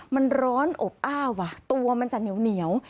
มันร้อนโอ๊บอ้าวตัวมันจะเนียว